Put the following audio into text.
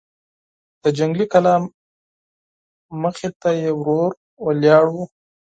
د جنګي کلا مخې ته يې ورور ولاړ و.